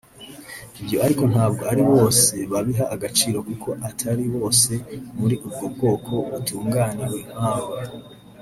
Ibyo ariko ntabwo ari bose babiha agaciro kuko atari bose muri ubwo bwoko batunganiwe nkawe